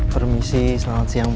permisi selamat siang pak